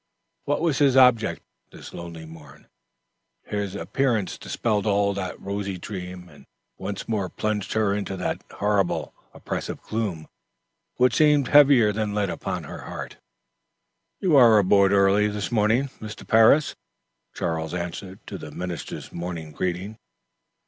What was his object this lovely morn? His appearance dispelled all the rosy dreams and once more plunged her into that horrible, oppressive gloom, which seemed heavier than lead upon her heart. "You are abroad early, this morning, Mr. Parris," Charles answered to the minister's morning greeting.